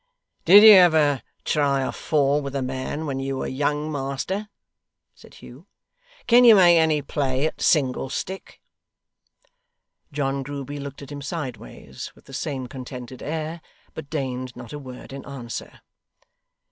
'Did you ever try a fall with a man when you were young, master?' said Hugh. 'Can you make any play at single stick?' John Grueby looked at him sideways with the same contented air, but deigned not a word in answer.